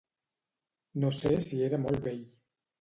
No sé si era molt vell.